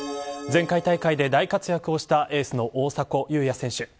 前回大会で大活躍したエースの大迫勇也選手。